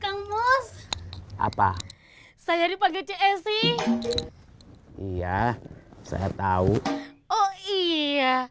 kamus apa saya dipakai csi iya saya tahu oh iya